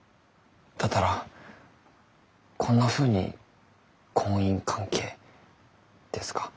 だったらこんなふうに婚姻関係ですか？